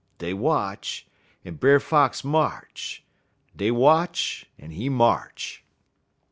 Dey watch, en Brer Fox march; dey watch, en he march.